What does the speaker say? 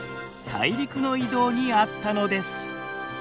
大陸の移動にあったのです。